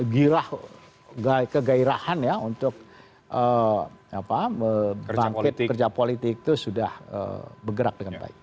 girah kegairahan ya untuk bangkit kerja politik itu sudah bergerak dengan baik